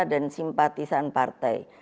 dan simpatisan partai